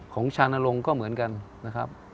ของชานรงค์ก็เหมือนกันนะครับ